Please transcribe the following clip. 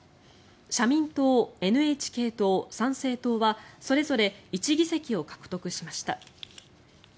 社民党、ＮＨＫ党、参政党はそれぞれ１議席を獲得しました。